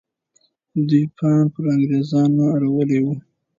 دوی پاڼ پر انګریزانو اړولی وو.